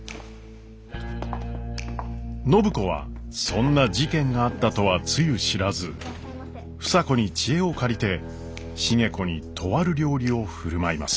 暢子はそんな事件があったとはつゆ知らず房子に知恵を借りて重子にとある料理を振る舞います。